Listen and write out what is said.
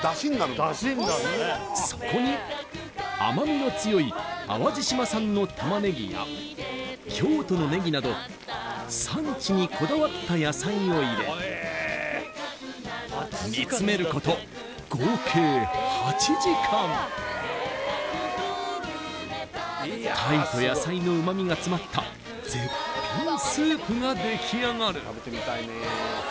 そこに甘みの強い淡路島産の玉ねぎや京都のネギなど産地にこだわった野菜を入れ煮詰めること合計８時間鯛と野菜のうまみが詰まった絶品スープができあがる